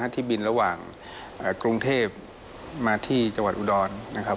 ที่บินระหว่างกรุงเทพมาที่จังหวัดอุดรนะครับ